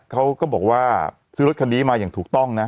เขาก็บอกว่าซื้อรถคันนี้มาอย่างถูกต้องนะ